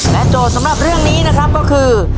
โจทย์สำหรับเรื่องนี้นะครับก็คือ